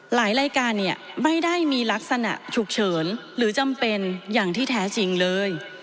หลายรายการเนี่ยไม่ได้มีลักษณะฉุกเฉินหรือจำเป็นอย่างที่แท้จริงเลย